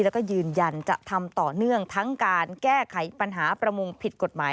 แล้วก็ยืนยันจะทำต่อเนื่องทั้งการแก้ไขปัญหาประมงผิดกฎหมาย